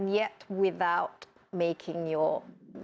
namun tanpa membuat